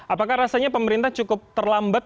apakah rasanya pemerintah cukup terlambat